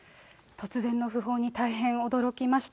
突然の訃報に大変驚きました。